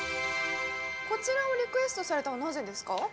こちらをリクエストされたのはなぜですか？